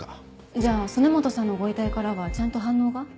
じゃあ曽根本さんのご遺体からはちゃんと反応が？